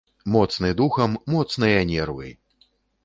Моцны духам, моцныя нервы!